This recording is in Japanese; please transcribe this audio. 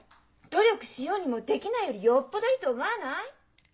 努力しようにもできないよりよっぽどいいと思わない？